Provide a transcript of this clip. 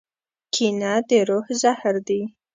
کینه د روح زهر دي.